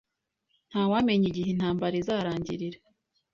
Ntawamenya igihe intambara izarangirira